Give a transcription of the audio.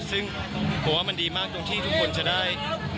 ซึ่งผมว่ามันดีมากตรงที่ทุกคนจะได้